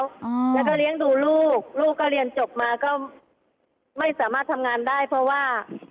อ่าแล้วก็เลี้ยงดูลูกลูกก็เรียนจบมาก็ไม่สามารถทำงานได้เพราะว่า